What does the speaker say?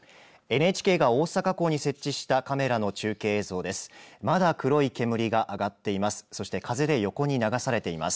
ＮＨＫが大阪港に設置したカメラの中継映像です。